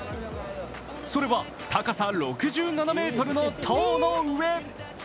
それは高さ６７ｍの塔の上。